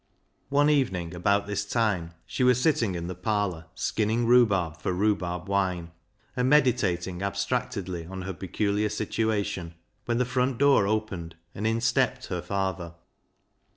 One evening, about this time, she was sitting in the parlour skinning rhubarb for rhubarb wine, and meditating abstractedly on her pecu liar situation, when the front door opened and in stepped her father.